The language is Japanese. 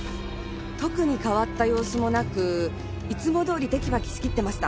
特に変わった様子もなくいつもどおりテキパキ仕切ってました。